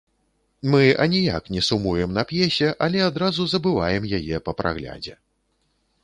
Мы аніяк не сумуем на п'есе, але адразу забываем яе па праглядзе.